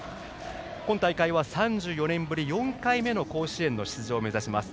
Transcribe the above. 今大会は３４年ぶり４回目の甲子園出場を目指します。